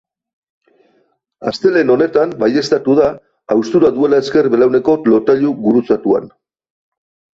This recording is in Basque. Astelehen honetan baiezatatu da haustura duela ezker belauneko lotailu gurutzatuan.